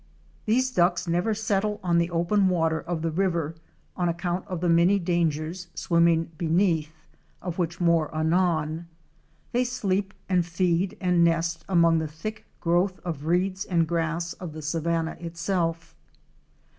These Ducks never settle on the open water of the river on account of the many dangers swimming beneath, of which more anon. 'They sleep and feed and nest among the thick growth of reeds and grass of the savanna itself.